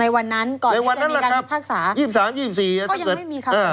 ในวันนั้นก่อนที่จะมีการพิพักษา